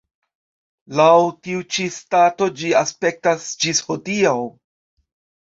Laŭ tiu ĉi stato ĝi aspektas ĝis hodiaŭ.